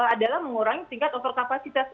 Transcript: adalah mengurangi tingkat overcapacitas